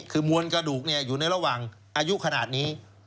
คือมวลกระดูกอยู่ในระหว่างอายุขนาดนี้